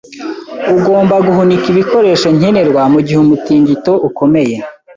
Ugomba guhunika ibikoresho nkenerwa mugihe umutingito ukomeye.